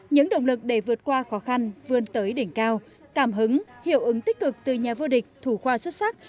những động lực để vượt qua khó khăn vươn tới đỉnh cao cảm hứng hiệu ứng tích cực từ nhà vô địch thủ khoa xuất sắc